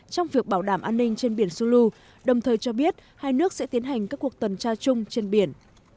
trong việc bảo đảm an ninh trên biển solu đồng thời cho biết hai nước sẽ tiến hành các cuộc tuần tra chung trên biển